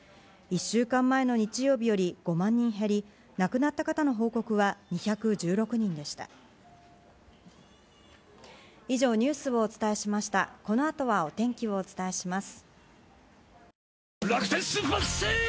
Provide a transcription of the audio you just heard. １週間前の日曜日より５万人減り、亡くなった方の報告は２１６人でお天気をお伝えします。